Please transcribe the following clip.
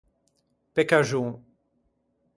Pe caxon.